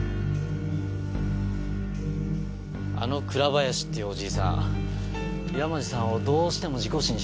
あの倉林っていうおじいさん山路さんをどうしても事故死にしたいみたいですね。